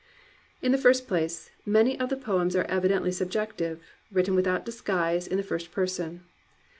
In the first place, many of the poems are evi dently subjective, written without disguise in the first person.